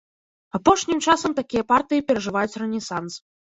Апошнім часам такія партыі перажываюць рэнесанс.